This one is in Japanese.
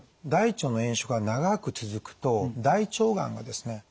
大腸の炎症が長く続くと大腸がんがですね